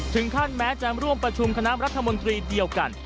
ถึงขั้นแม้จะร่วมประชุมคณะรัฐมนตรีเดียวกัน